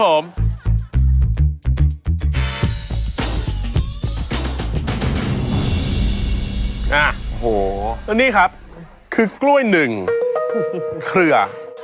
อะตอนนี้ครับคือกล้วยหนึ่งเคลือ